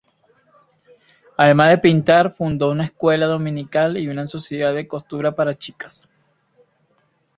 Además de pintar, fundó una escuela dominical y una sociedad de costura para chicas.